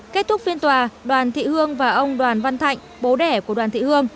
kết thúc phiên tòa đoàn thị hương và ông đoàn văn thạnh bố đẻ của đoàn thị hương